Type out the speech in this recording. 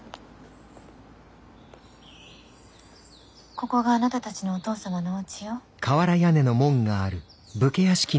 ここがあなたたちのお父様のおうちよ。